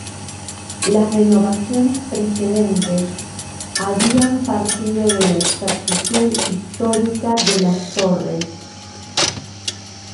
Las renovaciones precedentes habían partido de la exactitud histórica de las torres.